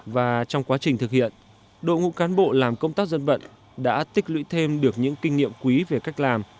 và trong quá trình thực hiện đội ngũ cán bộ làm công tác dân vận đã tích lũy thêm được những kinh nghiệm quý về cách làm